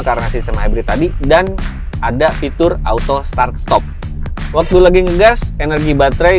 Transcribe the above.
karena sistem hybrid tadi dan ada fitur auto start stop waktu lagi ngegas energi baterai